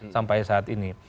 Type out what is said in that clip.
sampai saat ini